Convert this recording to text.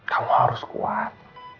kamu harus kuat